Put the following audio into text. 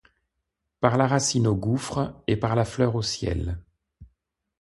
Par la racine au gouffre et par la fleur au ciel